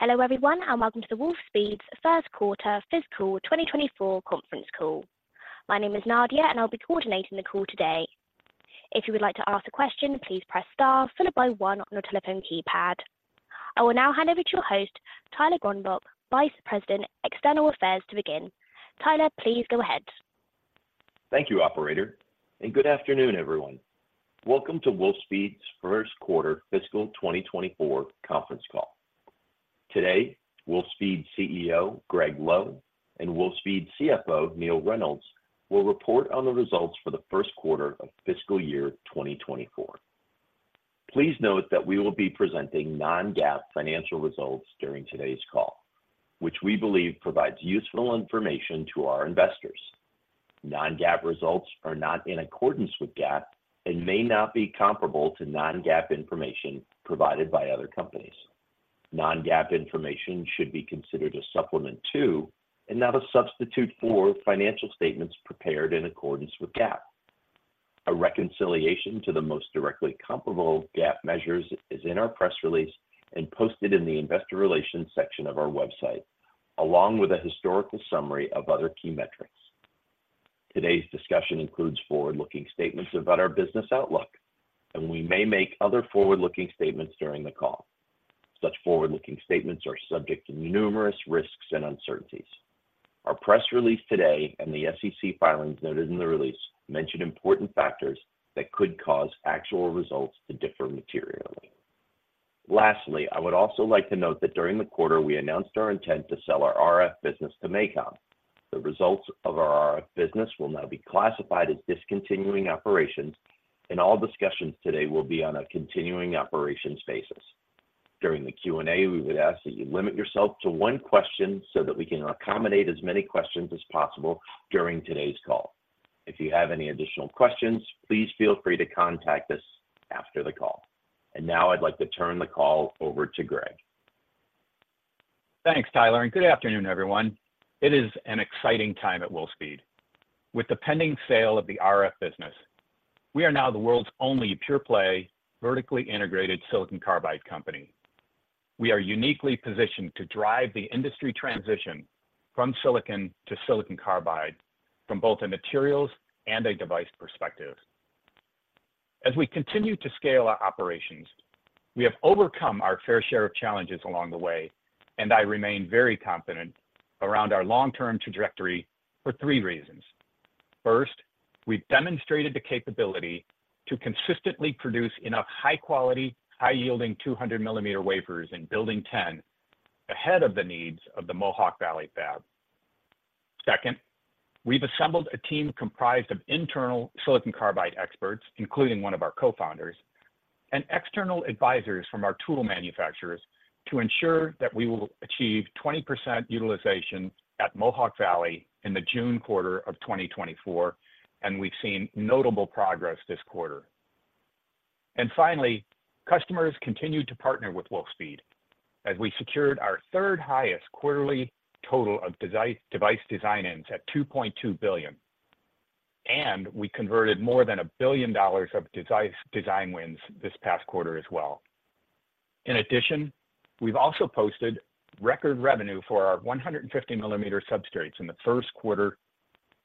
Hello, everyone, and welcome to Wolfspeed's Q1 Fiscal 2024 Conference Call. My name is Nadia, and I'll be coordinating the call today. If you would like to ask a question, please press star followed by one on your telephone keypad. I will now hand over to your host, Tyler Gronbach, Vice President, External Affairs, to begin. Tyler, please go ahead. Thank you, operator, and good afternoon, everyone. Welcome to Wolfspeed's Q1 Fiscal 2024 Conference Call. Today, Wolfspeed CEO, Gregg Lowe, and Wolfspeed CFO, Neill Reynolds, will report on the results for the Q1 of fiscal year 2024. Please note that we will be presenting non-GAAP financial results during today's call, which we believe provides useful information to our investors. Non-GAAP results are not in accordance with GAAP and may not be comparable to non-GAAP information provided by other companies. Non-GAAP information should be considered a supplement to, and not a substitute for, financial statements prepared in accordance with GAAP. A reconciliation to the most directly comparable GAAP measures is in our press release and posted in the investor relations section of our website, along with a historical summary of other key metrics. Today's discussion includes forward-looking statements about our business outlook, and we may make other forward-looking statements during the call. Such forward-looking statements are subject to numerous risks and uncertainties. Our press release today and the SEC filings noted in the release mention important factors that could cause actual results to differ materially. Lastly, I would also like to note that during the quarter, we announced our intent to sell our RF business to MACOM. The results of our RF business will now be classified as discontinuing operations, and all discussions today will be on a continuing operations basis. During the Q&A, we would ask that you limit yourself to one question so that we can accommodate as many questions as possible during today's call. If you have any additional questions, please feel free to contact us after the call. Now I'd like to turn the call over to Gregg. Thanks, Tyler, and good afternoon, everyone. It is an exciting time at Wolfspeed. With the pending sale of the RF business, we are now the world's only pure-play, vertically integrated silicon carbide company. We are uniquely positioned to drive the industry transition from silicon to silicon carbide from both a materials and a device perspective. As we continue to scale our operations, we have overcome our fair share of challenges along the way, and I remain very confident around our long-term trajectory for three reasons. First, we've demonstrated the capability to consistently produce enough high-quality, high-yielding 200 millimeter wafers in Building 10 ahead of the needs of the Mohawk Valley Fab. Second, we've assembled a team comprised of internal silicon carbide experts, including one of our cofounders, and external advisors from our tool manufacturers to ensure that we will achieve 20% utilization at Mohawk Valley in the June quarter of 2024, and we've seen notable progress this quarter. And finally, customers continued to partner with Wolfspeed as we secured our third highest quarterly total of device design wins at $2.2 billion, and we converted more than $1 billion of device design wins this past quarter as well. In addition, we've also posted record revenue for our 150 millimeter substrates in the Q1,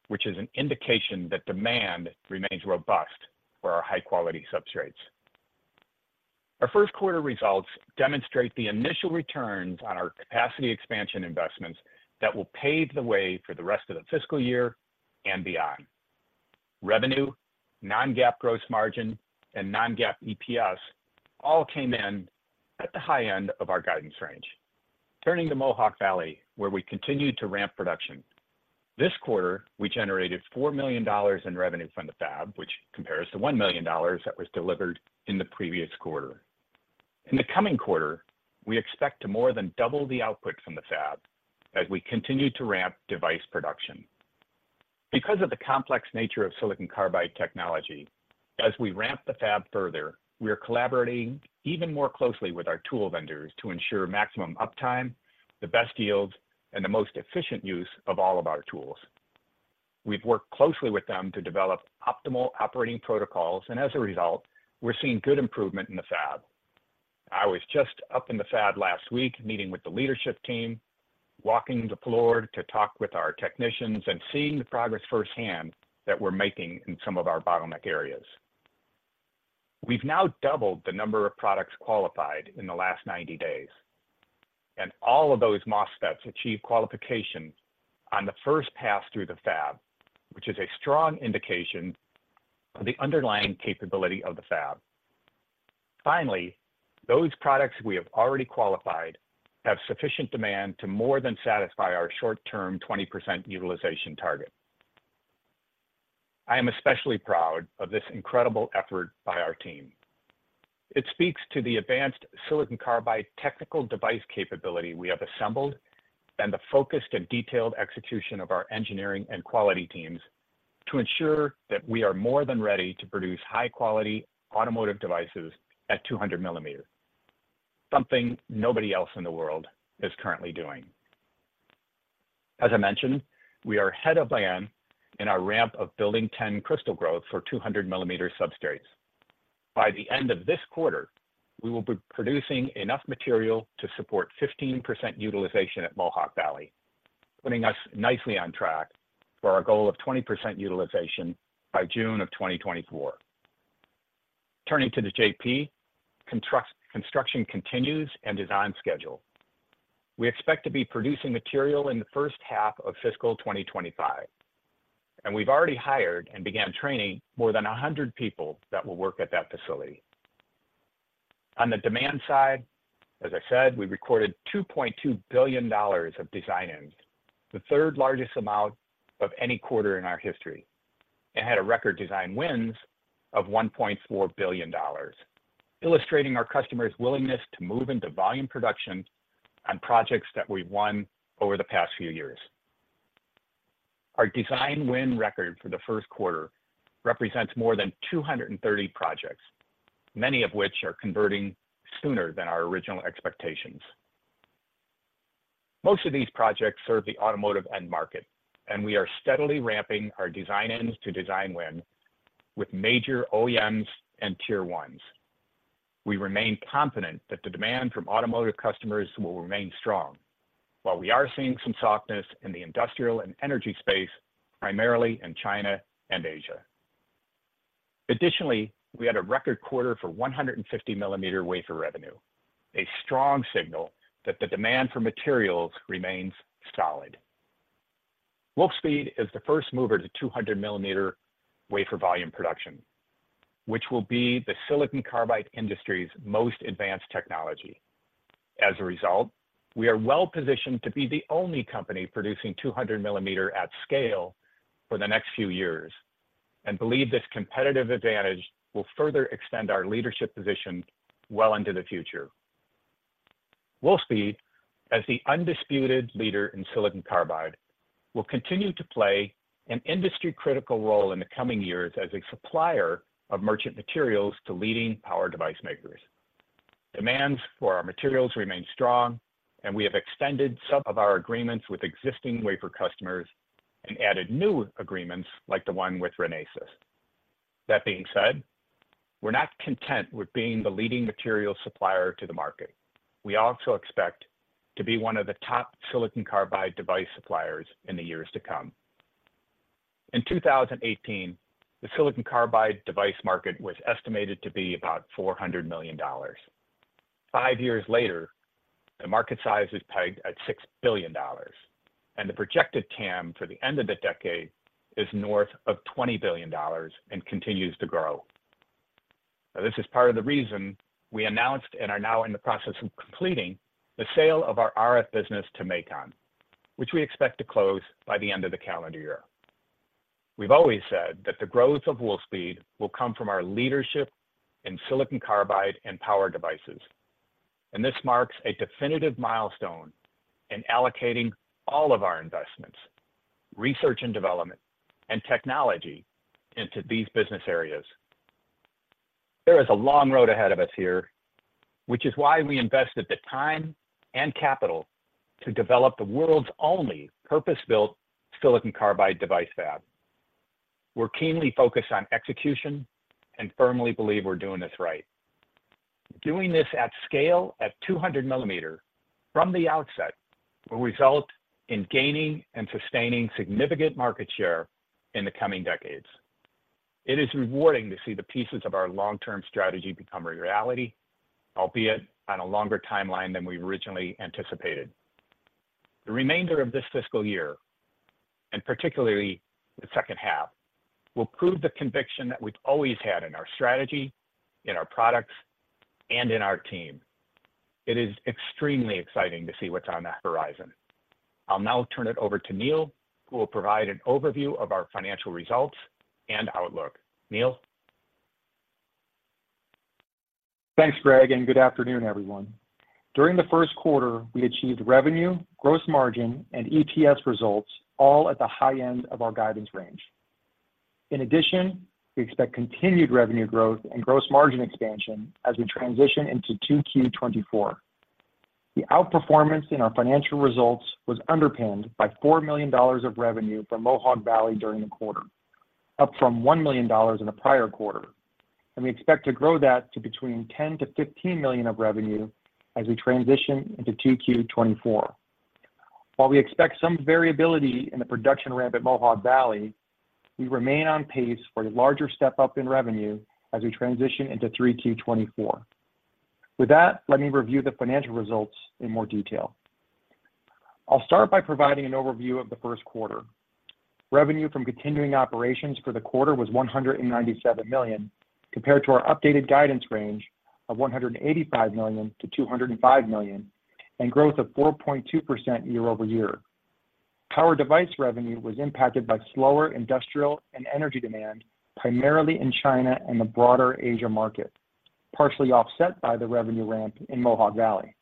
which is an indication that demand remains robust for our high-quality substrates. Our Q1 results demonstrate the initial returns on our capacity expansion investments that will pave the way for the rest of the fiscal year and beyond. Revenue, non-GAAP gross margin, and non-GAAP EPS all came in at the high end of our guidance range. Turning to Mohawk Valley, where we continued to ramp production. This quarter, we generated $4 million in revenue from the fab, which compares to $1 million that was delivered in the previous quarter. In the coming quarter, we expect to more than double the output from the fab as we continue to ramp device production. Because of the complex nature of silicon carbide technology, as we ramp the fab further, we are collaborating even more closely with our tool vendors to ensure maximum uptime, the best yields, and the most efficient use of all of our tools. We've worked closely with them to develop optimal operating protocols, and as a result, we're seeing good improvement in the fab. I was just up in the fab last week, meeting with the leadership team, walking the floor to talk with our technicians, and seeing the progress firsthand that we're making in some of our bottleneck areas. We've now doubled the number of products qualified in the last 90 days, and all of those MOSFETs achieved qualification on the first pass through the fab, which is a strong indication of the underlying capability of the fab. Finally, those products we have already qualified have sufficient demand to more than satisfy our short-term 20% utilization target. I am especially proud of this incredible effort by our team. It speaks to the advanced silicon carbide technical device capability we have assembled and the focused and detailed execution of our engineering and quality teams to ensure that we are more than ready to produce high-quality automotive devices at 200 millimeters, something nobody else in the world is currently doing. As I mentioned, we are ahead of plan in our ramp of Building 10 crystal growth for 200 millimeter substrates. By the end of this quarter, we will be producing enough material to support 15% utilization at Mohawk Valley, putting us nicely on track for our goal of 20% utilization by June 2024. Turning to the JP, construction continues and is on schedule. We expect to be producing material in the first half of fiscal 2025, and we've already hired and began training more than 100 people that will work at that facility. On the demand side, as I said, we recorded $2.2 billion of design wins, the third largest amount of any quarter in our history, and had a record design wins of $1.4 billion, illustrating our customers' willingness to move into volume production on projects that we've won over the past few years. Our design win record for the Q1 represents more than 230 projects, many of which are converting sooner than our original expectations. Most of these projects serve the automotive end market, and we are steadily ramping our design-ins to design wins with major OEMs and Tier 1s. We remain confident that the demand from automotive customers will remain strong, while we are seeing some softness in the industrial and energy space, primarily in China and Asia. Additionally, we had a record quarter for 150 millimeter wafer revenue, a strong signal that the demand for materials remains solid. Wolfspeed is the first mover to 200 millimeter wafer volume production, which will be the silicon carbide industry's most advanced technology. As a result, we are well positioned to be the only company producing 200 millimeter at scale for the next few years, and believe this competitive advantage will further extend our leadership position well into the future. Wolfspeed, as the undisputed leader in silicon carbide, will continue to play an industry-critical role in the coming years as a supplier of merchant materials to leading power device makers. Demands for our materials remain strong, and we have extended some of our agreements with existing wafer customers and added new agreements like the one with Renesas. That being said, we're not content with being the leading material supplier to the market. We also expect to be one of the top silicon carbide device suppliers in the years to come. In 2018, the silicon carbide device market was estimated to be about $400 million. Five years later, the market size is pegged at $6 billion, and the projected TAM for the end of the decade is north of $20 billion and continues to grow. Now, this is part of the reason we announced and are now in the process of completing the sale of our RF business to MACOM, which we expect to close by the end of the calendar year. We've always said that the growth of Wolfspeed will come from our leadership in silicon carbide and power devices, and this marks a definitive milestone in allocating all of our investments, research and development, and technology into these business areas. There is a long road ahead of us here, which is why we invested the time and capital to develop the world's only purpose-built silicon carbide device fab. We're keenly focused on execution and firmly believe we're doing this right. Doing this at scale, at 200 millimeter from the outset, will result in gaining and sustaining significant market share in the coming decades. It is rewarding to see the pieces of our long-term strategy become a reality, albeit on a longer timeline than we originally anticipated. The remainder of this fiscal year, and particularly the second half, will prove the conviction that we've always had in our strategy, in our products, and in our team. It is extremely exciting to see what's on the horizon. I'll now turn it over to Neill, who will provide an overview of our financial results and outlook. Neill? Thanks, Greg, and good afternoon, everyone. During the Q1, we achieved revenue, gross margin, and EPS results, all at the high end of our guidance range. In addition, we expect continued revenue growth and gross margin expansion as we transition into Q2 2024. The outperformance in our financial results was underpinned by $4 million of revenue from Mohawk Valley during the quarter, up from $1 million in the prior quarter, and we expect to grow that to between $10 million-$15 million of revenue as we transition into Q2 2024. While we expect some variability in the production ramp at Mohawk Valley, we remain on pace for a larger step-up in revenue as we transition into Q3 2024. With that, let me review the financial results in more detail. I'll start by providing an overview of the Q1. Revenue from continuing operations for the quarter was $197 million, compared to our updated guidance range of $185 million-$205 million, and growth of 4.2% year-over-year. Power device revenue was impacted by slower industrial and energy demand, primarily in China and the broader Asia market, partially offset by the revenue ramp in Mohawk Valley.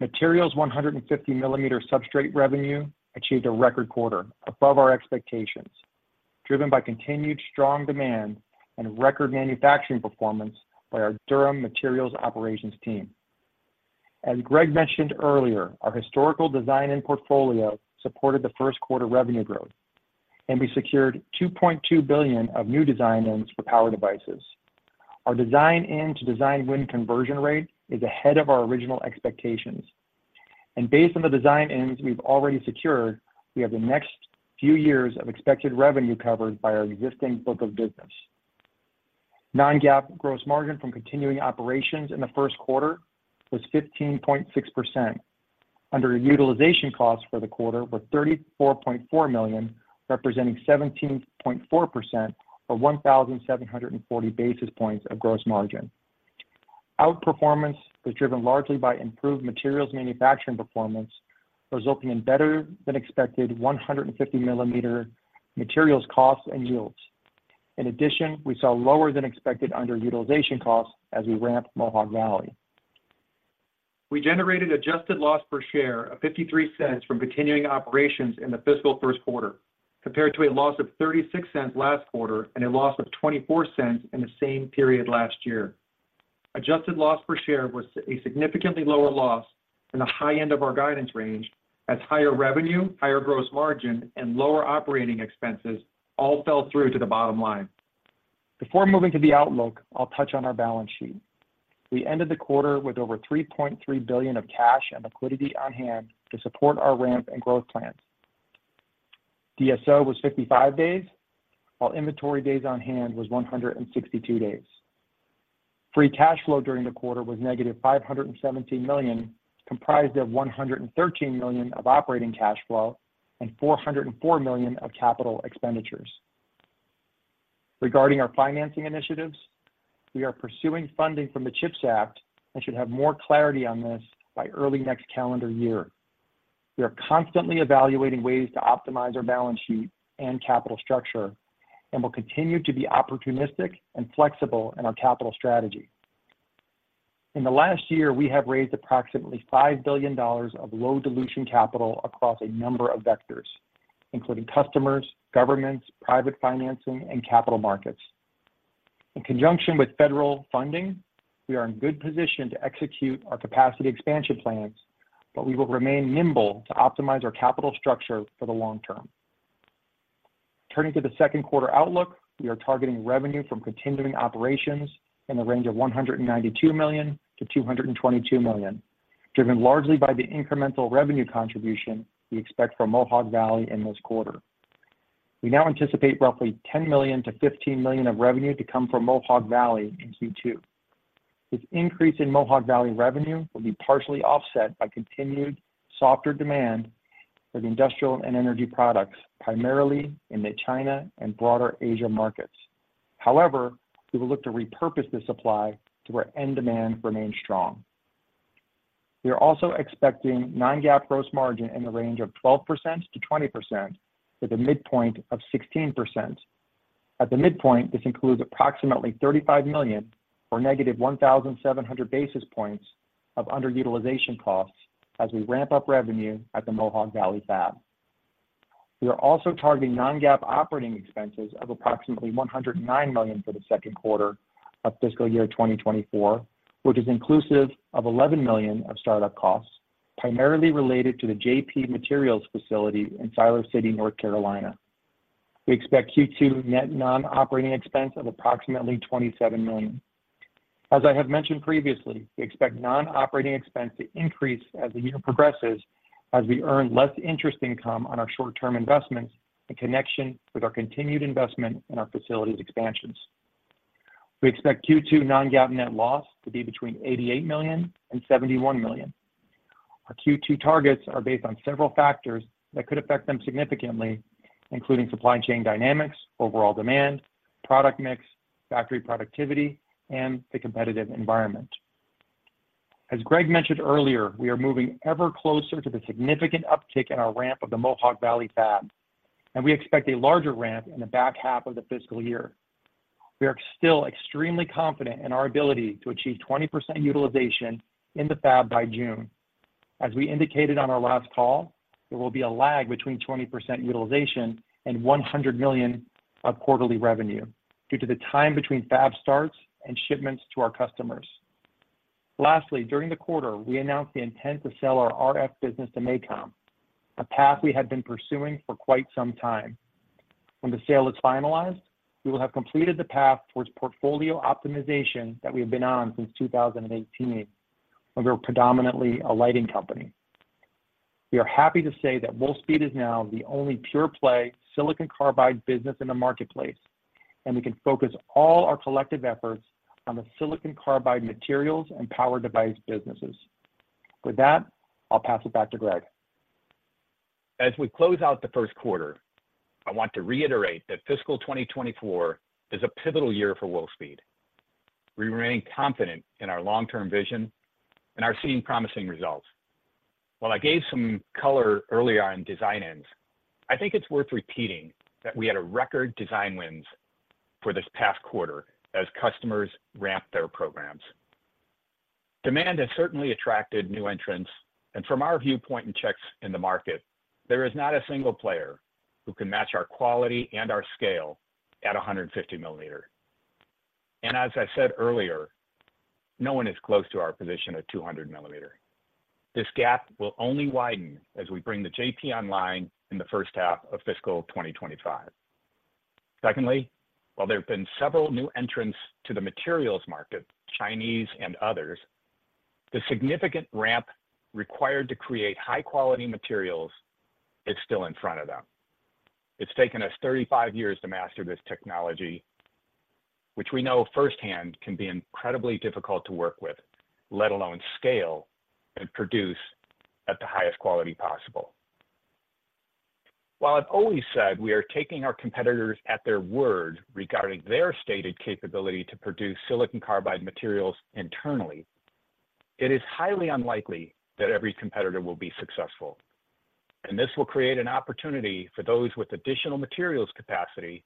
Materials 150 millimeter substrate revenue achieved a record quarter above our expectations, driven by continued strong demand and record manufacturing performance by our Durham Materials operations team. As Greg mentioned earlier, our historical design and portfolio supported the Q1 revenue growth, and we secured $2.2 billion of new design wins for power devices. Our design-in to design win conversion rate is ahead of our original expectations, and based on the design wins we've already secured, we have the next few years of expected revenue covered by our existing book of business. Non-GAAP gross margin from continuing operations in the Q1 was 15.6%. Underutilization costs for the quarter were $34.4 million, representing 17.4%, or 1,740 basis points of gross margin. Outperformance was driven largely by improved materials manufacturing performance, resulting in better than expected 150 millimeter materials costs and yields. In addition, we saw lower than expected underutilization costs as we ramped Mohawk Valley. We generated adjusted loss per share of $0.53 from continuing operations in the fiscal Q1, compared to a loss of $0.36 last quarter and a loss of $0.24 in the same period last year. Adjusted loss per share was a significantly lower loss than the high end of our guidance range, as higher revenue, higher gross margin, and lower operating expenses all fell through to the bottom line. Before moving to the outlook, I'll touch on our balance sheet. We ended the quarter with over $3.3 billion of cash and liquidity on hand to support our ramp and growth plans. DSO was 55 days, while inventory days on hand was 162 days. Free cash flow during the quarter was -$517 million, comprised of $113 million of operating cash flow and $404 million of capital expenditures. Regarding our financing initiatives, we are pursuing funding from the CHIPS Act and should have more clarity on this by early next calendar year. We are constantly evaluating ways to optimize our balance sheet and capital structure, and will continue to be opportunistic and flexible in our capital strategy. In the last year, we have raised approximately $5 billion of low dilution capital across a number of vectors, including customers, governments, private financing, and capital markets. In conjunction with federal funding, we are in good position to execute our capacity expansion plans, but we will remain nimble to optimize our capital structure for the long term. Turning to the Q2 outlook, we are targeting revenue from continuing operations in the range of $192 million-$222 million, driven largely by the incremental revenue contribution we expect from Mohawk Valley in this quarter. We now anticipate roughly $10 million-$15 million of revenue to come from Mohawk Valley in Q2. This increase in Mohawk Valley revenue will be partially offset by continued softer demand for the industrial and energy products, primarily in the China and broader Asia markets. However, we will look to repurpose this supply to where end demand remains strong. We are also expecting non-GAAP gross margin in the range of 12%-20%, with a midpoint of 16%. At the midpoint, this includes approximately $35 million or -1,700 basis points of underutilization costs as we ramp up revenue at the Mohawk Valley Fab. We are also targeting non-GAAP operating expenses of approximately $109 million for the Q2 of fiscal year 2024, which is inclusive of $11 million of startup costs, primarily related to the JP Materials facility in Siler City, North Carolina. We expect Q2 net non-operating expense of approximately $27 million. As I have mentioned previously, we expect non-operating expense to increase as the year progresses, as we earn less interest income on our short-term investments in connection with our continued investment in our facilities expansions. We expect Q2 non-GAAP net loss to be between $88 million and $71 million. Our Q2 targets are based on several factors that could affect them significantly, including supply chain dynamics, overall demand, product mix, factory productivity, and the competitive environment. As Greg mentioned earlier, we are moving ever closer to the significant uptick in our ramp of the Mohawk Valley Fab, and we expect a larger ramp in the back half of the fiscal year. We are still extremely confident in our ability to achieve 20% utilization in the fab by June. As we indicated on our last call, there will be a lag between 20% utilization and $100 million of quarterly revenue due to the time between fab starts and shipments to our customers. Lastly, during the quarter, we announced the intent to sell our RF business to MACOM, a path we had been pursuing for quite some time. When the sale is finalized, we will have completed the path towards portfolio optimization that we have been on since 2018, when we were predominantly a lighting company. We are happy to say that Wolfspeed is now the only pure play silicon carbide business in the marketplace, and we can focus all our collective efforts on the silicon carbide materials and power device businesses. With that, I'll pass it back to Greg. As we close out the Q1, I want to reiterate that fiscal 2024 is a pivotal year for Wolfspeed. We remain confident in our long-term vision and are seeing promising results. While I gave some color earlier on design-ins, I think it's worth repeating that we had a record design wins for this past quarter as customers ramp their programs. Demand has certainly attracted new entrants, and from our viewpoint and checks in the market, there is not a single player who can match our quality and our scale at 150 millimeter. And as I said earlier, no one is close to our position at 200 millimeter. This gap will only widen as we bring the JP online in the first half of fiscal 2025. Secondly, while there have been several new entrants to the materials market, Chinese and others, the significant ramp required to create high-quality materials is still in front of them. It's taken us 35 years to master this technology, which we know firsthand can be incredibly difficult to work with, let alone scale and produce at the highest quality possible. While I've always said we are taking our competitors at their word regarding their stated capability to produce silicon carbide materials internally, it is highly unlikely that every competitor will be successful. And this will create an opportunity for those with additional materials capacity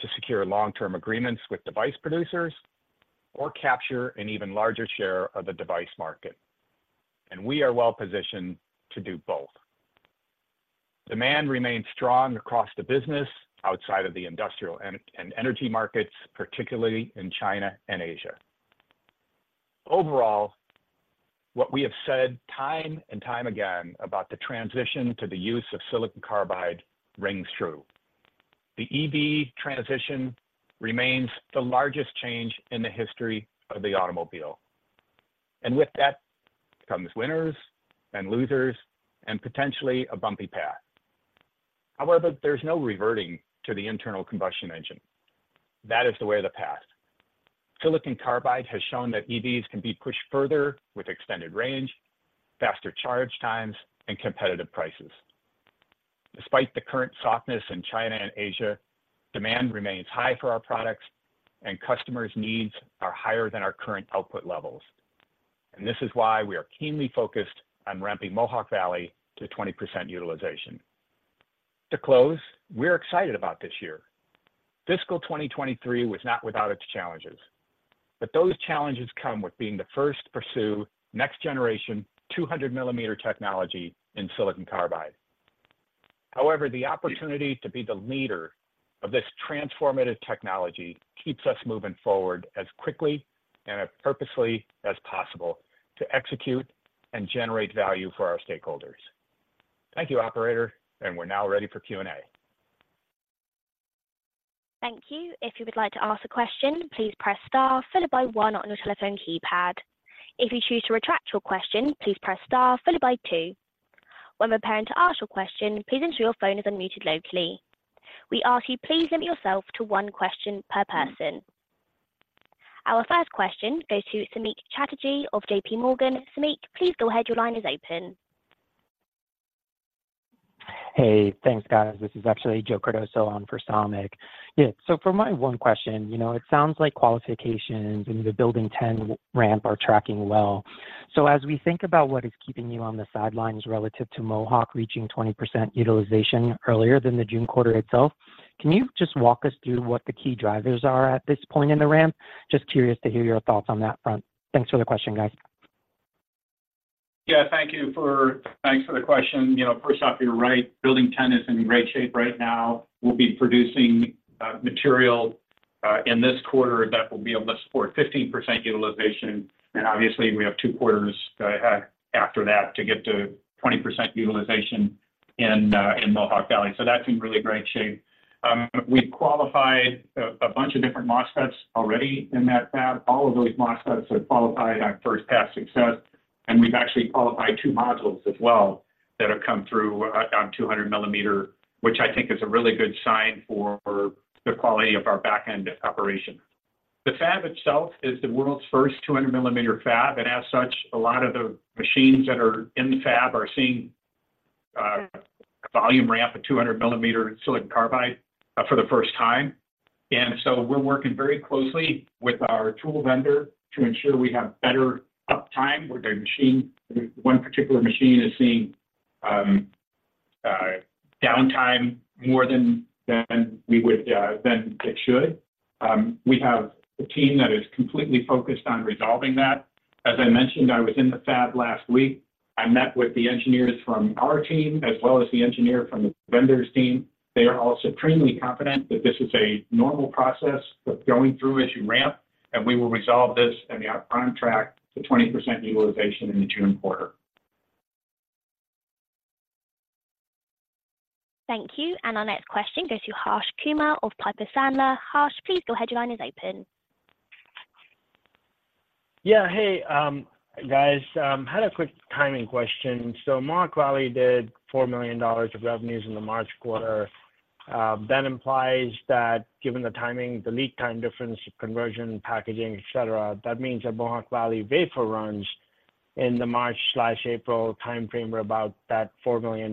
to secure long-term agreements with device producers or capture an even larger share of the device market, and we are well positioned to do both. Demand remains strong across the business, outside of the industrial and energy markets, particularly in China and Asia. Overall, what we have said time and time again about the transition to the use of silicon carbide rings true. The EV transition remains the largest change in the history of the automobile, and with that comes winners and losers and potentially a bumpy path. However, there's no reverting to the internal combustion engine. That is the way of the past. Silicon carbide has shown that EVs can be pushed further with extended range, faster charge times, and competitive prices. Despite the current softness in China and Asia, demand remains high for our products, and customers' needs are higher than our current output levels. And this is why we are keenly focused on ramping Mohawk Valley to 20% utilization. To close, we're excited about this year. Fiscal 2023 was not without its challenges, but those challenges come with being the first to pursue next generation 200 millimeter technology in silicon carbide. However, the opportunity to be the leader of this transformative technology keeps us moving forward as quickly and as purposely as possible to execute and generate value for our stakeholders. Thank you, operator, and we're now ready for Q&A. Thank you. If you would like to ask a question, please press star followed by one on your telephone keypad. If you choose to retract your question, please press star followed by two. When preparing to ask your question, please ensure your phone is unmuted locally. We ask you, please limit yourself to one question per person. Our first question goes to Samik Chatterjee of J.P. Morgan. Samik, please go ahead. Your line is open. Hey, thanks, guys. This is actually Joe Cardoso on for Samik. Yeah, so for my one question, you know, it sounds like qualifications in the Building 10 ramp are tracking well. So as we think about what is keeping you on the sidelines relative to Mohawk reaching 20% utilization earlier than the June quarter itself, can you just walk us through what the key drivers are at this point in the ramp? Just curious to hear your thoughts on that front. Thanks for the question, guys. Yeah, thanks for the question. You know, first off, you're right, Building 10 is in great shape right now. We'll be producing material in this quarter that will be able to support 15% utilization, and obviously, we have two quarters after that to get to 20% utilization in Mohawk Valley. So that's in really great shape. We've qualified a bunch of different MOSFETs already in that fab. All of those MOSFETs are qualified on first pass success, and we've actually qualified two modules as well that have come through on 200 millimeter, which I think is a really good sign for the quality of our back-end operation. The fab itself is the world's first 200 millimeter fab, and as such, a lot of the machines that are in the fab are seeing volume ramp at 200 millimeter silicon carbide for the first time. And so we're working very closely with our tool vendor to ensure we have better uptime with their machine. One particular machine is seeing downtime more than we would than it should. We have a team that is completely focused on resolving that. As I mentioned, I was in the fab last week. I met with the engineers from our team, as well as the engineer from the vendors team. They are all supremely confident that this is a normal process that's going through as you ramp, and we will resolve this and be on track to 20% utilization in the June quarter. Thank you. Our next question goes to Harsh Kumar of Piper Sandler. Harsh, please, your line is open. Yeah. Hey, guys, had a quick timing question. So Mohawk Valley did $4 million of revenues in the March quarter. That implies that given the timing, the lead time difference, conversion, packaging, et cetera, that means that Mohawk Valley wafer runs in the March/April time frame were about that $4 million.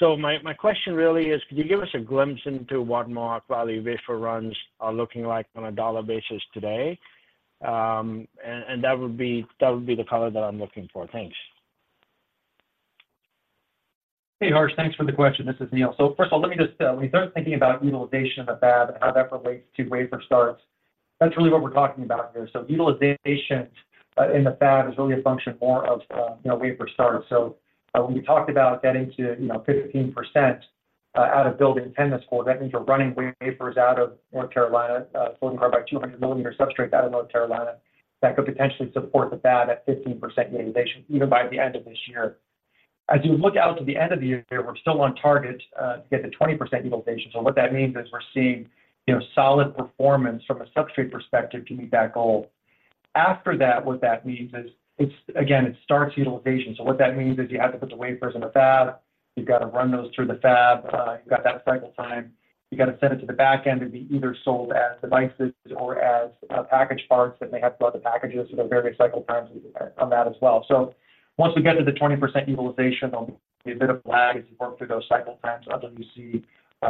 So my, my question really is, could you give us a glimpse into what Mohawk Valley wafer runs are looking like on a dollar basis today? And, and that would be, that would be the color that I'm looking for. Thanks. Hey, Harsh. Thanks for the question. This is Neill. So first of all, let me just tell, when you start thinking about utilization in a fab and how that relates to wafer starts, that's really what we're talking about here. So utilization in the fab is really a function more of, you know, wafer starts. So when we talked about getting to, you know, 15%, out of Building 10, that's four. That means we're running wafers out of North Carolina, about 200 millimeter substrates out of North Carolina. That could potentially support the fab at 15% utilization, even by the end of this year. As you look out to the end of the year, we're still on target to get to 20% utilization. So what that means is we're seeing, you know, solid performance from a substrate perspective to meet that goal. After that, what that means is, it's again, it starts utilization. So what that means is you have to put the wafers in the fab. You've got to run those through the fab. You've got that cycle time. You got to send it to the back end to be either sold as devices or as package parts, that may have to go out the packages. So there are various cycle times on that as well. So once we get to the 20% utilization, there'll be a bit of lag as you work through those cycle times until you see, you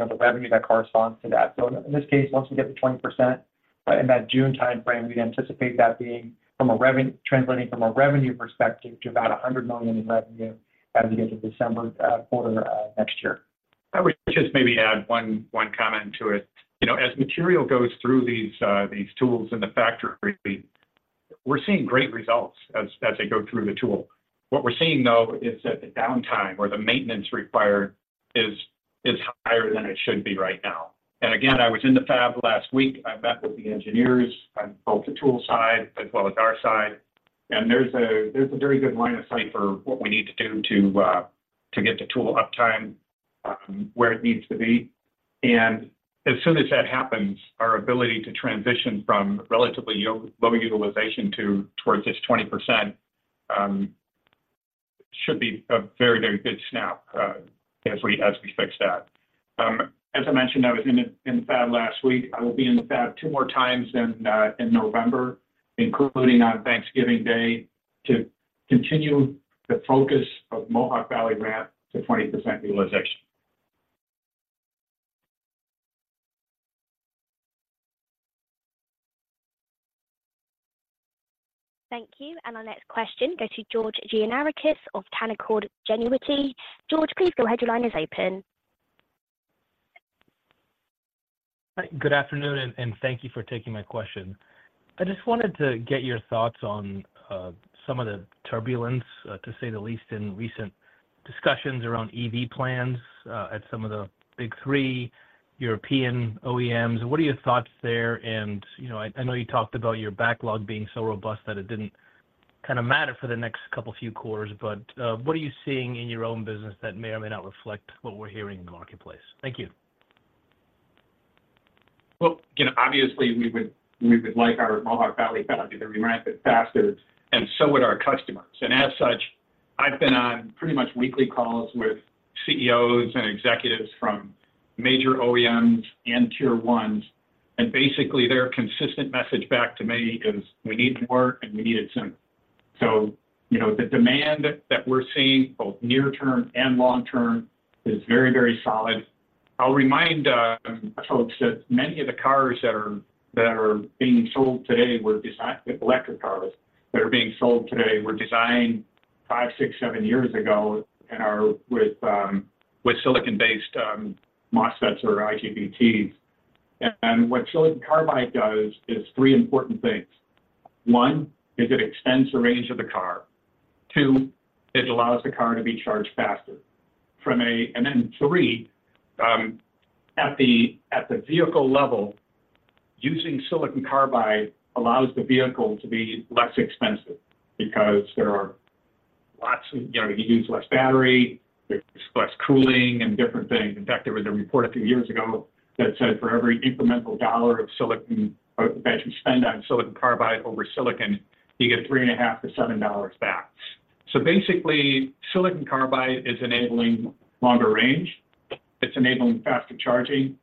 know, the revenue that corresponds to that. In this case, once we get to 20%, in that June timeframe, we'd anticipate that being from a revenue perspective translating to about $100 million in revenue at the end of December quarter next year. I would just maybe add one comment to it. You know, as material goes through these tools in the factory, we're seeing great results as they go through the tool. What we're seeing, though, is that the downtime or the maintenance required is higher than it should be right now. And again, I was in the fab last week. I met with the engineers on both the tool side as well as our side, and there's a very good line of sight for what we need to do to get the tool uptime where it needs to be. And as soon as that happens, our ability to transition from relatively low utilization to towards this 20% should be a very good snap as we fix that. As I mentioned, I was in the fab last week. I will be in the fab two more times in November, including on Thanksgiving Day, to continue the focus of Mohawk Valley ramp to 20% utilization. Thank you, and our next question goes to George Gianarikas of Canaccord Genuity. George, please go ahead. Your line is open. Hi, good afternoon, and thank you for taking my question. I just wanted to get your thoughts on some of the turbulence, to say the least, in recent discussions around EV plans at some of the big three European OEMs. What are your thoughts there? And, you know, I know you talked about your backlog being so robust that it didn't kind of matter for the next couple few quarters, but what are you seeing in your own business that may or may not reflect what we're hearing in the marketplace? Thank you. Well, you know, obviously, we would like our Mohawk Valley Fab to be ramped faster, and so would our customers. And as such, I've been on pretty much weekly calls with CEOs and executives from major OEMs and Tier 1s, and basically, their consistent message back to me is: We need more, and we need it soon. So, you know, the demand that we're seeing, both near term and long term, is very, very solid. I'll remind folks that many of the cars that are being sold today were designed—the electric cars that are being sold today were designed 5, 6, 7 years ago and are with silicon-based MOSFETs or IGBTs. And what silicon carbide does is three important things. One, is it extends the range of the car. Two, it allows the car to be charged faster. Three, at the vehicle level, using silicon carbide allows the vehicle to be less expensive because there are lots of you know, you use less battery, there's less cooling and different things. In fact, there was a report a few years ago that said, for every incremental dollar of silicon that you spend on silicon carbide over silicon, you get $3.5-$7 back. So basically, silicon carbide is enabling longer range, it's enabling faster charging,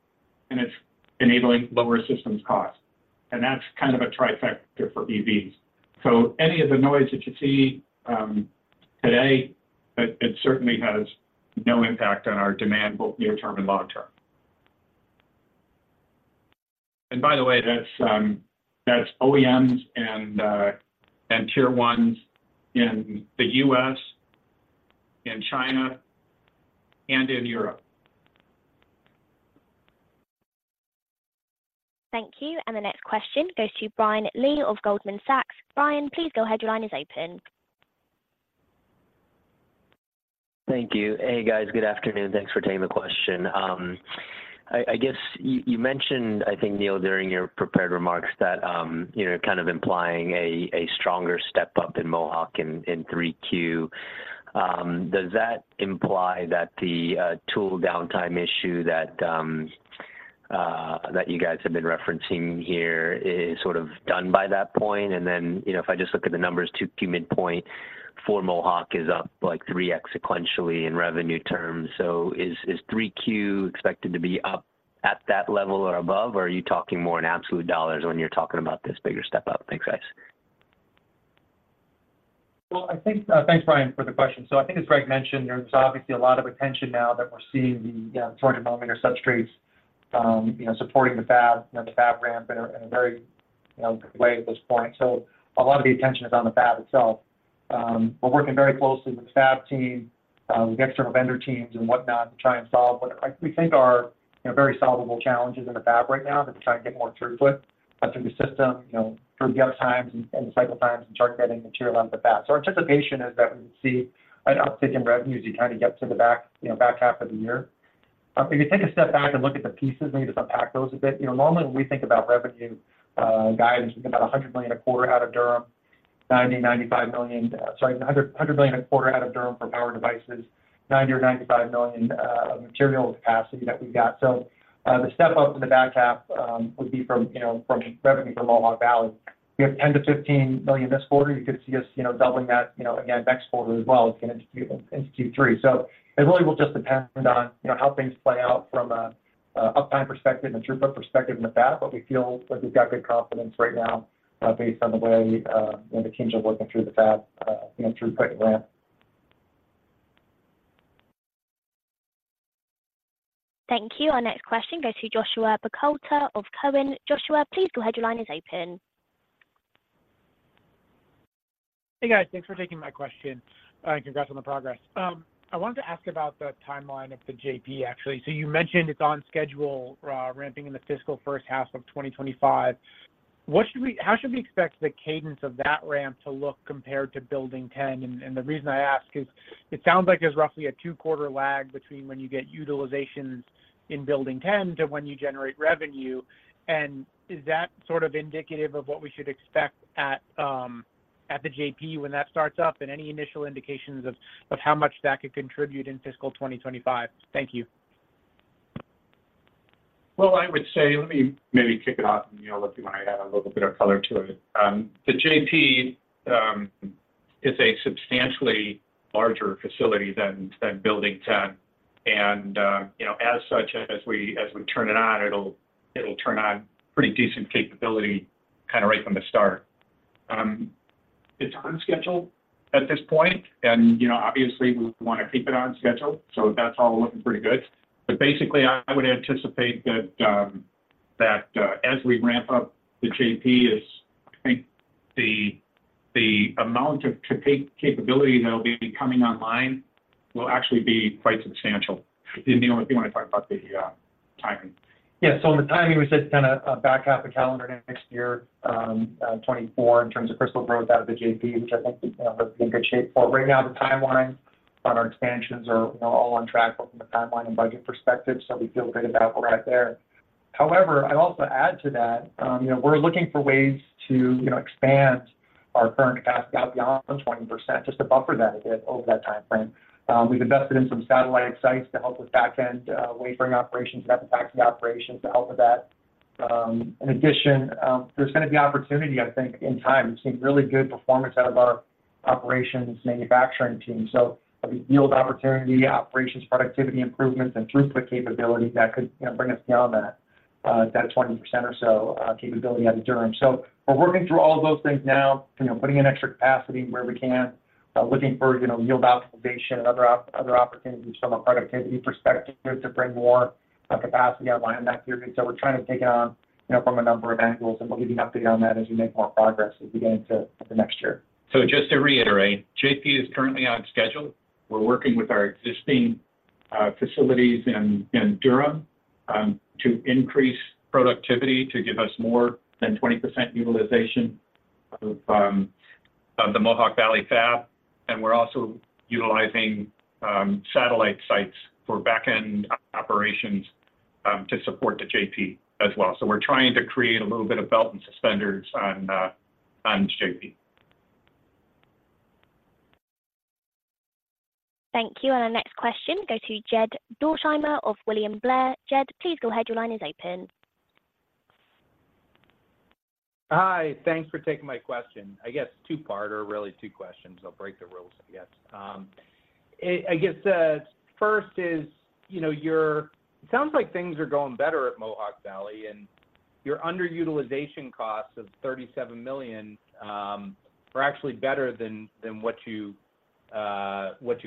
and it's enabling lower systems cost. And that's kind of a trifecta for EVs. So any of the noise that you see today, it certainly has no impact on our demand, both near term and long term. And by the way, that's OEMs and Tier 1s in the U.S., in China, and in Europe. Thank you. The next question goes to Brian Lee of Goldman Sachs. Brian, please go ahead. Your line is open. Thank you. Hey, guys. Good afternoon. Thanks for taking the question. I guess you mentioned, I think, Neill, during your prepared remarks that you know, kind of implying a stronger step up in Mohawk in Q3. Does that imply that the tool downtime issue that you guys have been referencing here is sort of done by that point? And then, you know, if I just look at the numbers, 2Q midpoint for Mohawk is up like 3x sequentially in revenue terms. So is Q3 expected to be up at that level or above, or are you talking more in absolute dollars when you're talking about this bigger step up? Thanks, guys. Well, I think, thanks, Brian, for the question. So I think as Greg mentioned, there's obviously a lot of attention now that we're seeing the four-inch diameter substrates, you know, supporting the fab, you know, the fab ramp in a very good way at this point. So a lot of the attention is on the fab itself. We're working very closely with the fab team, the external vendor teams and whatnot, to try and solve what we think are very solvable challenges in the fab right now to try to get more throughput through the system, you know, through the up times and cycle times and start getting material out the fab. So our anticipation is that we see an uptick in revenues as you kind of get to the back, you know, back half of the year. If you take a step back and look at the pieces, maybe to unpack those a bit, you know, normally, when we think about revenue guidance, about $100 million a quarter out of Durham, $90 million-$95 million. Sorry, $100 million a quarter out of Durham for power devices, $90 million or $95 million material capacity that we've got. So, the step up in the back half would be from, you know, from revenue from Mohawk Valley. We have $10 million-$15 million this quarter. You could see us, you know, doubling that, you know, again, next quarter as well as in Q3. So it really will just depend on, you know, how things play out from a uptime perspective and throughput perspective in the fab, but we feel like we've got good confidence right now, based on the way, you know, the teams are working through the fab, you know, throughput ramp. Thank you. Our next question goes to Joshua Buchalter of Cowen. Joshua, please go ahead. Your line is open. Hey, guys. Thanks for taking my question, and congrats on the progress. I wanted to ask about the timeline of the JP, actually. So you mentioned it's on schedule, ramping in the fiscal first half of 2025. What should we—how should we expect the cadence of that ramp to look compared to Building 10? And the reason I ask is it sounds like there's roughly a 2-quarter lag between when you get utilizations in Building 10 to when you generate revenue. And is that sort of indicative of what we should expect at the JP when that starts up, and any initial indications of how much that could contribute in fiscal 2025? Thank you. Well, I would say, let me maybe kick it off, and, Neill, if you want to add a little bit of color to it. The JP is a substantially larger facility than Building 10, and, you know, as such, as we turn it on, it'll turn on pretty decent capability kind of right from the start. It's on schedule at this point, and, you know, obviously, we want to keep it on schedule, so that's all looking pretty good. But basically, I would anticipate that, as we ramp up the JP, I think the amount of capability that will be coming online will actually be quite substantial. And, Neill, if you want to talk about the timing. Yeah. So the timing, as I said, kind of, back half the calendar next year, 2024, in terms of crystal growth out of the JP, which I think we're in good shape for. Right now, the timeline on our expansions are, you know, all on track from a timeline and budget perspective, so we feel good about where we're at there. However, I'd also add to that, you know, we're looking for ways to, you know, expand our current capacity out beyond the 20%, just to buffer that a bit over that timeframe. We've invested in some satellite sites to help with back-end, wafering operations and other back-end operations to help with that. In addition, there's gonna be opportunity, I think, in time. We've seen really good performance out of our operations manufacturing team. So if we yield opportunity, operations, productivity improvements, and throughput capabilities, that could, you know, bring us down to that that 20% or so capability out of Durham. So we're working through all of those things now, you know, putting in extra capacity where we can, looking for, you know, yield optimization and other other opportunities from a productivity perspective to bring more capacity online next year. And so we're trying to take it on, you know, from a number of angles, and we'll give you an update on that as we make more progress as we get into the next year. So just to reiterate, JP is currently on schedule. We're working with our existing facilities in Durham to increase productivity to give us more than 20% utilization of the Mohawk Valley Fab, and we're also utilizing satellite sites for back-end operations to support the JP as well. So we're trying to create a little bit of belt and suspenders on JP. Thank you. Our next question goes to Jed Dorsheimer of William Blair. Jed, please go ahead. Your line is open. Hi, thanks for taking my question. I guess two-parter, really two questions. I'll break the rules, I guess. I guess first is, you know, you're, it sounds like things are going better at Mohawk Valley, and your underutilization costs of $37 million are actually better than what you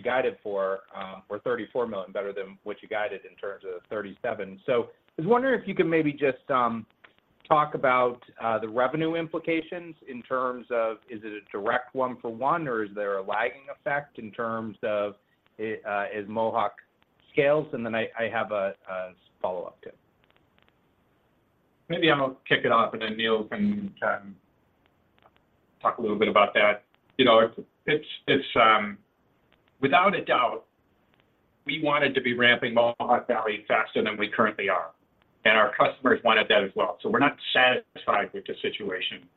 guided for, or $34 million, better than what you guided in terms of $37. So I was wondering if you could maybe just talk about the revenue implications in terms of, is it a direct one-for-one, or is there a lagging effect in terms of as Mohawk scales? And then I have a follow-up too. Maybe I'm gonna kick it off, and then Neill can talk a little bit about that. You know, it's without a doubt, we wanted to be ramping Mohawk Valley faster than we currently are, and our customers wanted that as well. So we're not satisfied with the situation.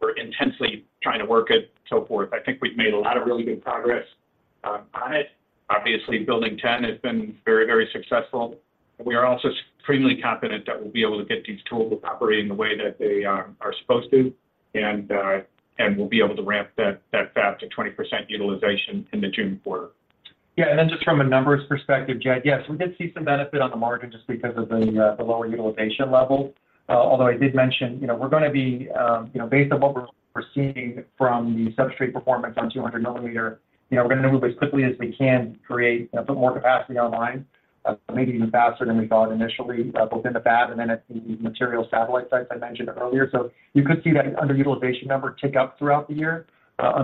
We're intensely trying to work it and so forth. I think we've made a lot of really good progress on it. Obviously, Building 10 has been very, very successful. We are also extremely confident that we'll be able to get these tools operating the way that they are supposed to, and we'll be able to ramp that fab to 20% utilization in the June quarter. Yeah, and then just from a numbers perspective, Jed, yes, we did see some benefit on the margin just because of the lower utilization levels. Although I did mention, you know, we're gonna be, you know, based on what we're seeing from the substrate performance on 200 millimeter, you know, we're gonna move as quickly as we can to put more capacity online, maybe even faster than we thought initially, both in the fab and then at the material satellite sites I mentioned earlier. So you could see that underutilization number tick up throughout the year,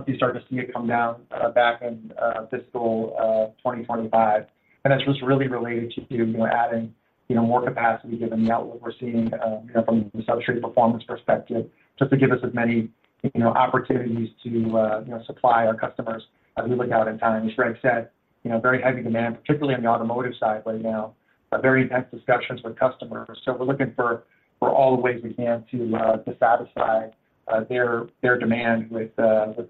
you start to see it come down, back in fiscal 2025. That's just really related to, you know, adding, you know, more capacity, given the outlook what we're seeing, you know, from the substrate performance perspective, just to give us as many, you know, opportunities to, you know, supply our customers as we look out in time. As Greg said, you know, very heavy demand, particularly on the automotive side right now, very intense discussions with customers. So we're looking for all the ways we can to satisfy their demand with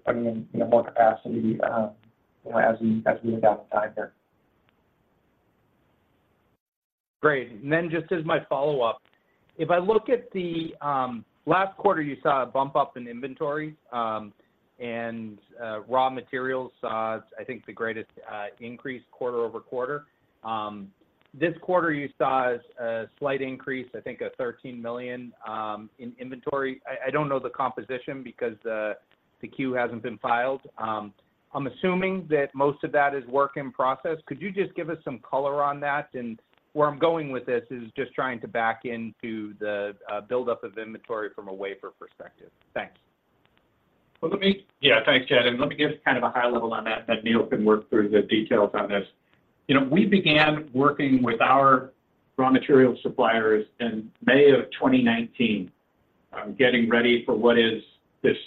putting in, you know, more capacity, you know, as we adapt over time there. Great. And then just as my follow-up, if I look at the last quarter, you saw a bump up in inventory and raw materials. I think the greatest increase quarter-over-quarter. This quarter, you saw a slight increase, I think a $13 million in inventory. I don't know the composition because the 10-Q hasn't been filed. I'm assuming that most of that is work in process. Could you just give us some color on that? And where I'm going with this is just trying to back into the buildup of inventory from a wafer perspective. Thanks. Well, let me, yeah, thanks, Jed, and let me give kind of a high level on that, then Neill can work through the details on this. You know, we began working with our raw material suppliers in May of 2019, getting ready for what is this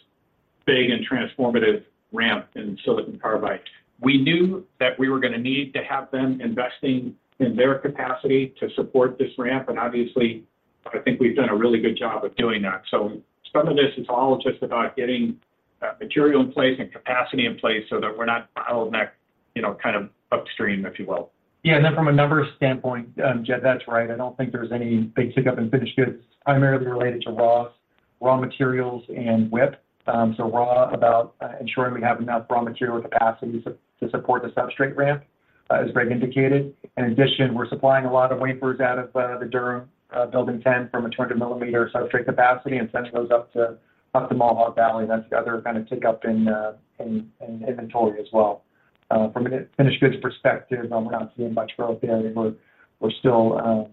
big and transformative ramp in silicon carbide. We knew that we were gonna need to have them investing in their capacity to support this ramp, and obviously, I think we've done a really good job of doing that. So some of this is all just about getting material in place and capacity in place so that we're not bottleneck, you know, kind of upstream, if you will. Yeah, and then from a numbers standpoint, Jed, that's right. I don't think there's any big tick up in finished goods, primarily related to raw materials and WIP. So, about ensuring we have enough raw material capacity to support the substrate ramp, as Greg indicated. In addition, we're supplying a lot of wafers out of the Durham Building 10 from a 200 millimeter substrate capacity and sending those up to Mohawk Valley. That's the other kind of tick up in inventory as well. From a finished goods perspective, we're not seeing much growth there. We're still,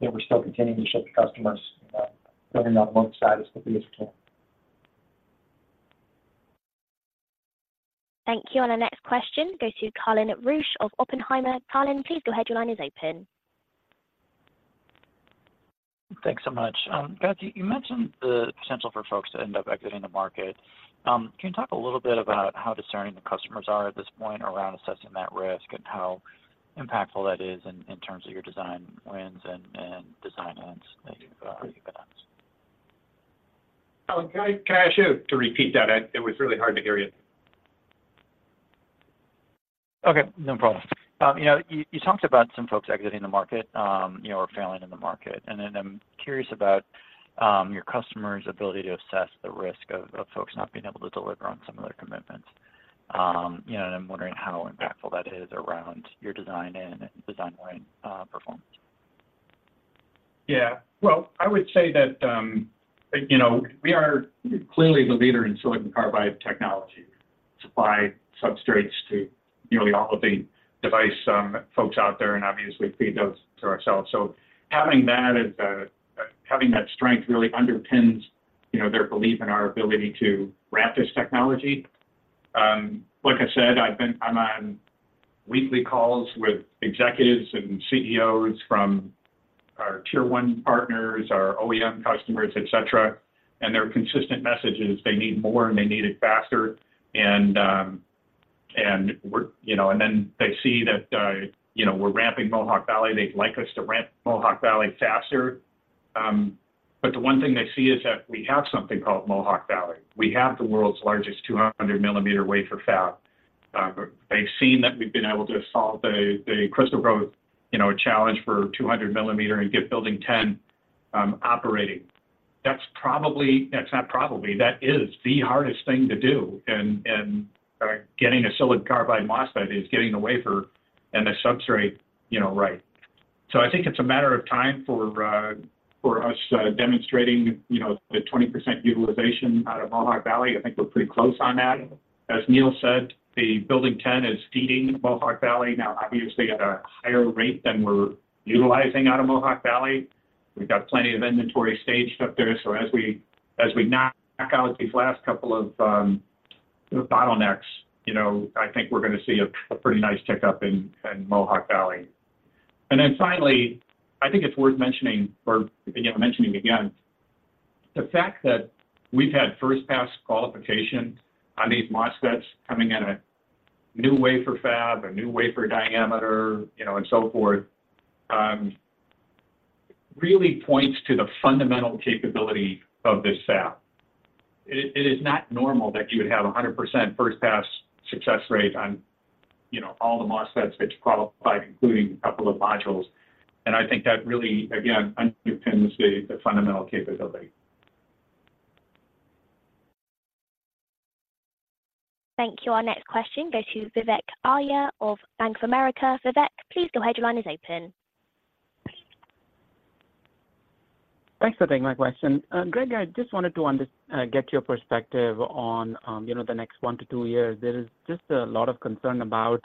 you know, still continuing to ship to customers, filling that book side as quickly as we can. Thank you. Our next question goes to Colin Rusch of Oppenheimer. Colin, please go ahead. Your line is open. Thanks so much. Guys, you mentioned the potential for folks to end up exiting the market. Can you talk a little bit about how discerning the customers are at this point around assessing that risk and how impactful that is in terms of your design wins and design-ins? Thank you very much. Colin, can I ask you to repeat that? It was really hard to hear you. Okay, no problem. You know, you, you talked about some folks exiting the market, you know, or failing in the market. And then I'm curious about, your customers' ability to assess the risk of, of folks not being able to deliver on some of their commitments. You know, and I'm wondering how impactful that is around your design and design win, performance. Yeah. Well, I would say that, you know, we are clearly the leader in silicon carbide technology, supply substrates to nearly all of the device folks out there, and obviously, feed those to ourselves. So having that is having that strength really underpins, you know, their belief in our ability to ramp this technology. Like I said, I'm on weekly calls with executives and CEOs from our Tier 1 partners, our OEM customers, et cetera, and their consistent message is they need more and they need it faster. And we're, you know, and then they see that, you know, we're ramping Mohawk Valley. They'd like us to ramp Mohawk Valley faster. But the one thing they see is that we have something called Mohawk Valley. We have the world's largest 200 millimeter wafer fab. They've seen that we've been able to solve the crystal growth, you know, challenge for 200 millimeter and get Building 10 operating. That's probably-- That's not probably, that is the hardest thing to do in getting a silicon carbide MOSFET is getting the wafer and the substrate, you know, right. So I think it's a matter of time for us demonstrating, you know, the 20% utilization out of Mohawk Valley. I think we're pretty close on that. As Neill said, the Building 10 is feeding Mohawk Valley now, obviously at a higher rate than we're utilizing out of Mohawk Valley. We've got plenty of inventory staged up there, so as we knock out these last couple of bottlenecks, you know, I think we're gonna see a pretty nice tick up in Mohawk Valley. And then finally, I think it's worth mentioning, or again, mentioning again, the fact that we've had first-pass qualification on these MOSFETs coming in a new wafer fab, a new wafer diameter, you know, and so forth, really points to the fundamental capability of this fab. It is not normal that you would have a 100% first-pass success rate on, you know, all the MOSFETs which qualify, including a couple of modules. And I think that really, again, underpins the fundamental capability. Thank you. Our next question goes to Vivek Arya of Bank of America. Vivek, please go ahead. Your line is open. Thanks for taking my question. Greg, I just wanted to get your perspective on, you know, the next 1-2 years. There is just a lot of concern about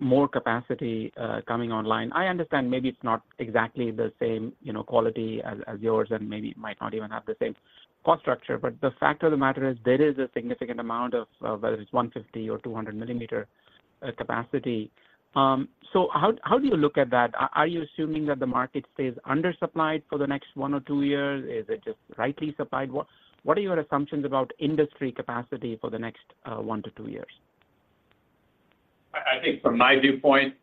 more capacity coming online. I understand maybe it's not exactly the same, you know, quality as yours, and maybe it might not even have the same cost structure, but the fact of the matter is, there is a significant amount of whether it's 150 mm or 200 mm capacity. So how do you look at that? Are you assuming that the market stays undersupplied for the next 1 or 2 years? Is it just rightly supplied? What are your assumptions about industry capacity for the next 1-2 years? I think from my viewpoint,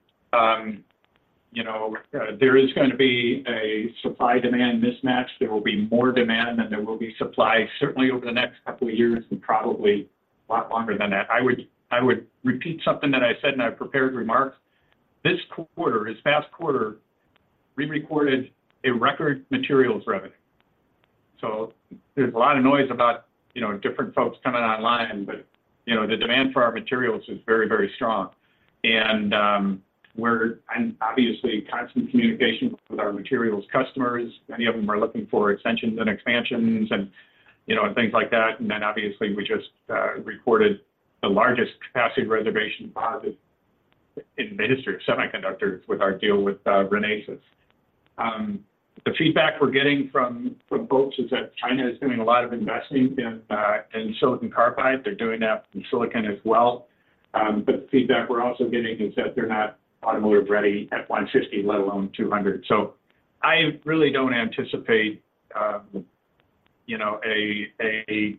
you know, there is going to be a supply-demand mismatch. There will be more demand than there will be supply, certainly over the next couple of years, and probably a lot longer than that. I would repeat something that I said in my prepared remarks. This quarter, this past quarter, we recorded a record materials revenue. So there's a lot of noise about, you know, different folks coming online, but, you know, the demand for our materials is very, very strong. And we're in obviously constant communication with our materials customers. Many of them are looking for extensions and expansions and, you know, and things like that. And then obviously, we just recorded the largest capacity reservation positive in the history of semiconductors with our deal with Renesas. The feedback we're getting from folks is that China is doing a lot of investing in silicon carbide. They're doing that in silicon as well. But the feedback we're also getting is that they're not automotive ready at 150, let alone 200. So I really don't anticipate, you know, a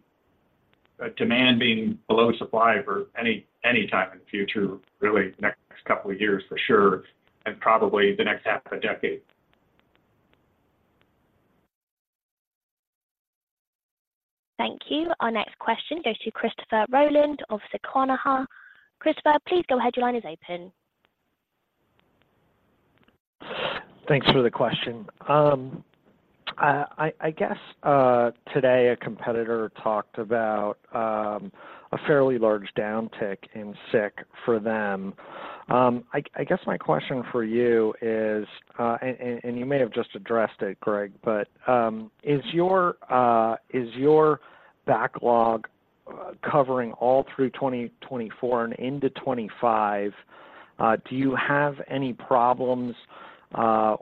demand being below supply for any time in the future, really, next couple of years for sure, and probably the next half a decade. Thank you. Our next question goes to Christopher Rolland of Susquehanna. Christopher, please go ahead. Your line is open. Thanks for the question. I guess today a competitor talked about a fairly large downtick in SiC for them. I guess my question for you is, and you may have just addressed it, Gregg, but is your backlog covering all through 2024 and into 2025? Do you have any problems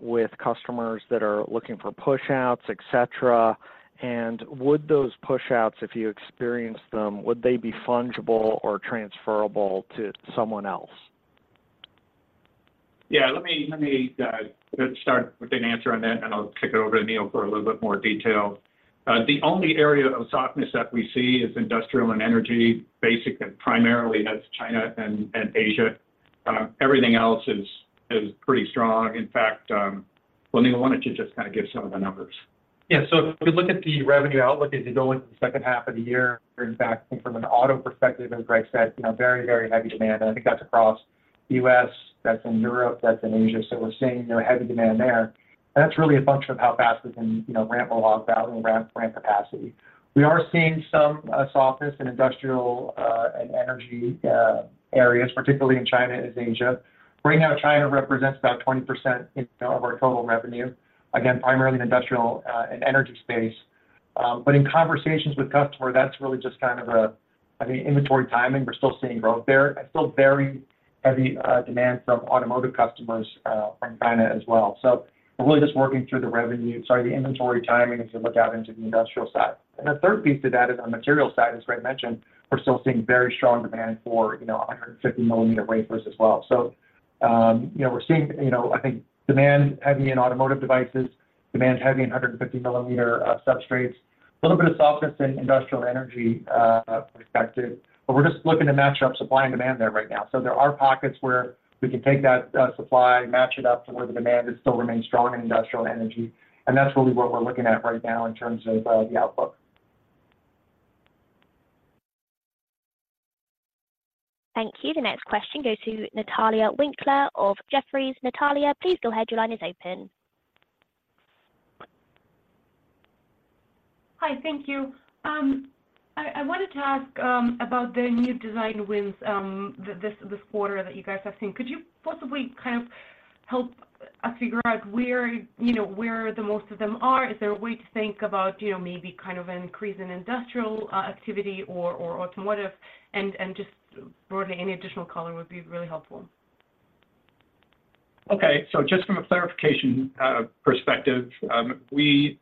with customers that are looking for pushouts, et cetera? And would those pushouts, if you experience them, would they be fungible or transferable to someone else? Yeah, let me start with an answer on that, and I'll kick it over to Neill for a little bit more detail. The only area of softness that we see is industrial and energy. Basically, primarily, that's China and Asia. Everything else is pretty strong. In fact, well, Neill, why don't you just kind of give some of the numbers? Yeah. So if we look at the revenue outlook as you go into the second half of the year, in fact, from an auto perspective, as Gregg said, you know, very, very heavy demand, and I think that's across U.S., that's in Europe, that's in Asia. So we're seeing, you know, heavy demand there, and that's really a function of how fast we can, you know, ramp Mohawk Valley, ramp capacity. We are seeing some softness in industrial and energy areas, particularly in China and Asia. Right now, China represents about 20% of our total revenue, again, primarily in industrial and energy space. But in conversations with customer, that's really just kind of a, I mean, inventory timing. We're still seeing growth there, and still very heavy demand from automotive customers from China as well. So we're really just working through the revenue, sorry, the inventory timing as we look out into the industrial side. And the third piece to that is on material side, as Gregg mentioned, we're still seeing very strong demand for, you know, 150 millimeter wafers as well. So, you know, we're seeing, you know, I think demand heavy in automotive devices, demand heavy in 150 millimeter substrates, a little bit of softness in industrial energy perspective, but we're just looking to match up supply and demand there right now. So there are pockets where we can take that supply, match it up to where the demand still remains strong in industrial energy, and that's really what we're looking at right now in terms of the outlook. Thank you. The next question goes to Natalia Winkler of Jefferies. Natalia, please go ahead. Your line is open. Hi, thank you. I wanted to ask about the new design wins this quarter that you guys have seen. Could you possibly kind of help us figure out where, you know, where the most of them are? Is there a way to think about, you know, maybe kind of an increase in industrial activity or automotive and just broadly, any additional color would be really helpful? Okay. So just from a clarification perspective, we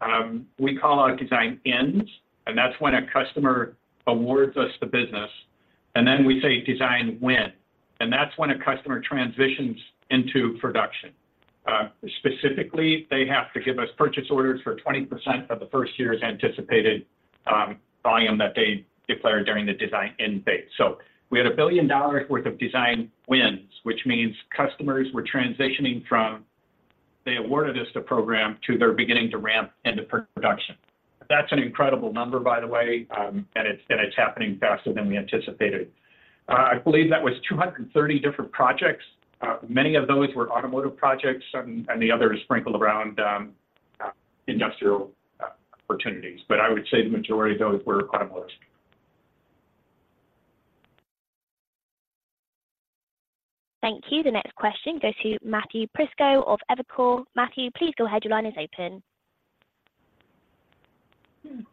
call out design-ins, and that's when a customer awards us the business, and then we say design win, and that's when a customer transitions into production. Specifically, they have to give us purchase orders for 20% of the first year's anticipated volume that they declared during the design-in phase. So we had $1 billion worth of design wins, which means customers were transitioning from they awarded us the program to they're beginning to ramp into production. That's an incredible number, by the way, and it's happening faster than we anticipated. I believe that was 230 different projects. Many of those were automotive projects, and, and the others sprinkled around, industrial, opportunities. But I would say the majority of those were automotive. Thank you. The next question goes to Matthew Prisco of Evercore. Matthew, please go ahead. Your line is open.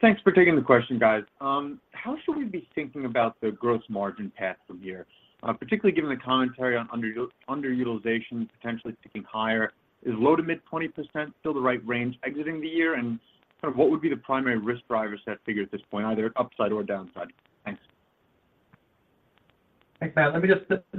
Thanks for taking the question, guys. How should we be thinking about the gross margin path from here, particularly given the commentary on underutilization potentially ticking higher? Is low-to-mid 120% still the right range exiting the year, and sort of what would be the primary risk drivers that figure at this point, either upside or downside? Thanks. Thanks, Matt. Let me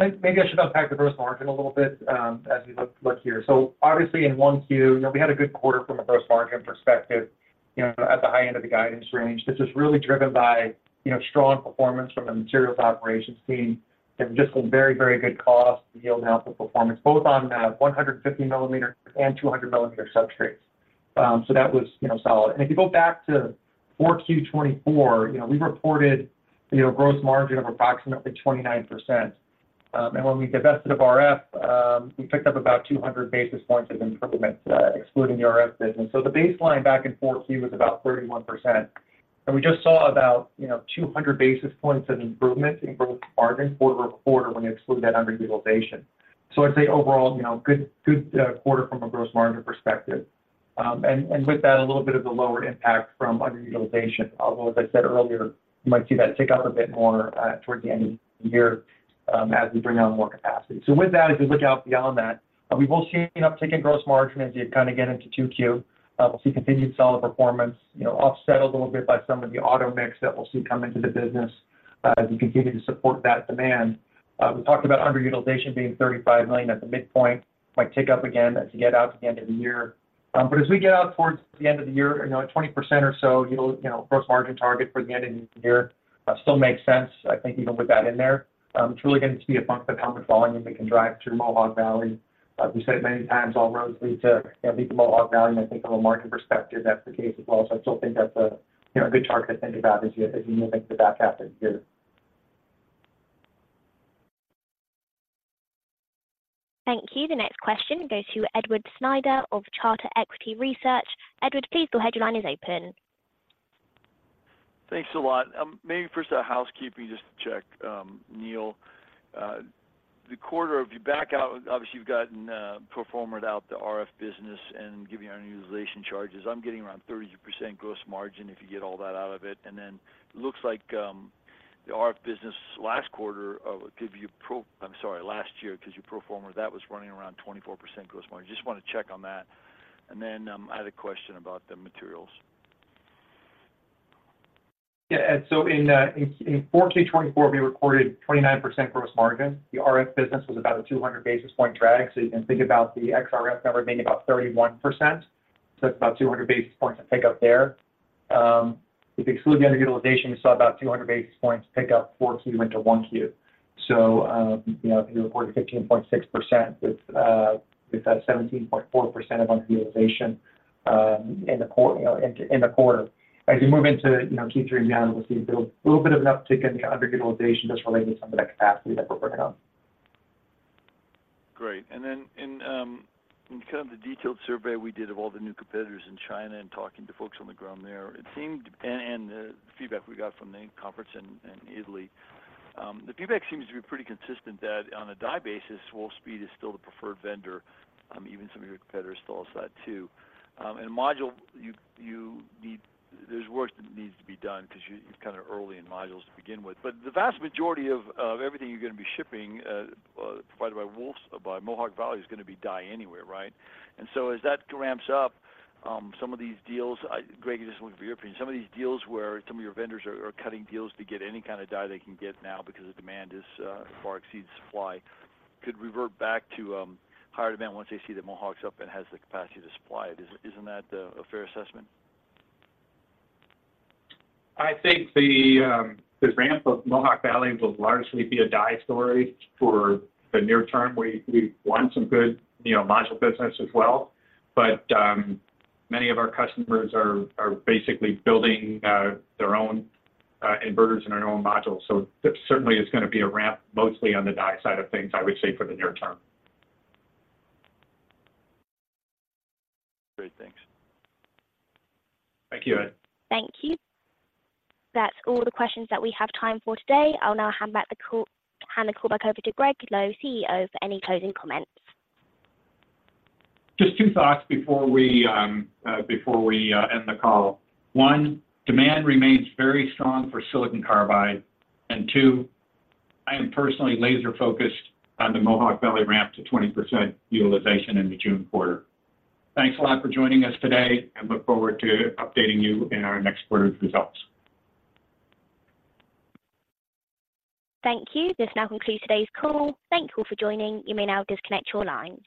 just. Maybe I should unpack the gross margin a little bit, as we look here. So obviously, in Q1, you know, we had a good quarter from a gross margin perspective, you know, at the high end of the guidance range. This is really driven by, you know, strong performance from the materials operations team and just some very, very good cost yield and output performance, both on the 150 millimeter and 200 millimeter substrates. So that was, you know, solid. And if you go back to Q4 2024, you know, we reported, you know, gross margin of approximately 29%. And when we divested of RF, we picked up about 200 basis points of improvement, excluding the RF business. So the baseline back in Q4 was about 31%, and we just saw about, you know, 200 basis points of improvement in gross margin quarter-over-quarter when you exclude that underutilization. So I'd say overall, you know, good, good quarter from a gross margin perspective. And with that, a little bit of the lower impact from underutilization. Although, as I said earlier, you might see that tick up a bit more towards the end of the year as we bring on more capacity. So with that, as we look out beyond that, we will see an uptick in gross margin as you kind of get into Q2. We'll see continued solid performance, you know, offset a little bit by some of the auto mix that we'll see come into the business as we continue to support that demand. We talked about underutilization being $35 million at the midpoint. Might tick up again as you get out to the end of the year. But as we get out towards the end of the year, you know, at 20% or so, you'll, you know, gross margin target for the end of the year still makes sense. I think you can put that in there. It's really going to be a function of volume we can drive through Mohawk Valley. As we said many times, all roads lead to, lead to Mohawk Valley, and I think from a market perspective, that's the case as well. So I still think that's a, you know, a good target to think about as you, as you move into the back half of the year. Thank you. The next question goes to Edward Snyder of Charter Equity Research. Edward, please, the line is open. Thanks a lot. Maybe first a housekeeping, just to check, Neill. The quarter, if you back out, obviously, you've gotten pro forma out the RF business and giving you underutilization charges. I'm getting around 30% gross margin if you get all that out of it. And then it looks like the RF business last quarter, give you pro forma. I'm sorry, last year, gives you pro forma, that was running around 24% gross margin. Just want to check on that. And then I had a question about the materials. Yeah, Ed, so in Q4 2024, we recorded 29% gross margin. The RF business was about a 200 basis point drag, so you can think about the ex RF number being about 31%. So it's about 200 basis points of pick up there. If you exclude the underutilization, you saw about 200 basis points pick up Q4 into Q1. So, you know, if you reported 15.6%, with that 17.4% of underutilization, you know, in the quarter. As you move into, you know, Q3 and beyond, we'll see a little bit of an uptick in underutilization just related to some of that capacity that we're working on. Great. And then in kind of the detailed survey we did of all the new competitors in China and talking to folks on the ground there, it seemed, and the feedback we got from the conference in Italy, the feedback seems to be pretty consistent that on a die basis, Wolfspeed is still the preferred vendor, even some of your competitors tell us that too. And module, you need. There's work that needs to be done because you're kind of early in modules to begin with. But the vast majority of everything you're going to be shipping, provided by Mohawk Valley, is going to be die anyway, right? As that ramps up, some of these deals, Greg, I just want your opinion, some of these deals where some of your vendors are cutting deals to get any kind of die they can get now because the demand far exceeds supply, could revert back to higher demand once they see the Mohawk's up and has the capacity to supply it. Isn't that a fair assessment? I think the ramp of Mohawk Valley will largely be a die story for the near term. We won some good, you know, module business as well, but many of our customers are basically building their own inverters and their own modules, so certainly it's going to be a ramp mostly on the die side of things, I would say, for the near term. Great. Thanks. Thank you, Ed. Thank you. That's all the questions that we have time for today. I'll now hand the call back over to Gregg Lowe, CEO, for any closing comments. Just two thoughts before we end the call. One, demand remains very strong for silicon carbide, and two, I am personally laser focused on the Mohawk Valley ramp to 20% utilization in the June quarter. Thanks a lot for joining us today, and look forward to updating you in our next quarter's results. Thank you. This now concludes today's call. Thank you all for joining. You may now disconnect your lines.